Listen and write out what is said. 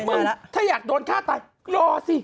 มึงถ้าอยากโดนฆ่าตายรอสิ